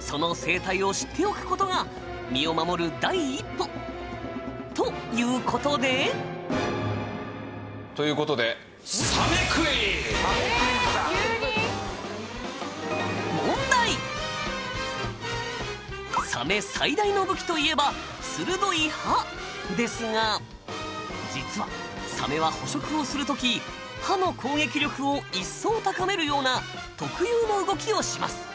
その生態を知っておく事が身を守る第一歩。という事で。という事でサメ最大の武器といえば鋭い歯ですが実はサメは捕食をする時歯の攻撃力を一層高めるような特有の動きをします。